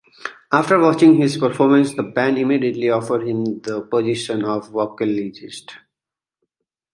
After watching his performance, the band immediately offered him the position of vocalist.